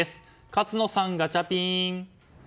勝野さん、ガチャピン！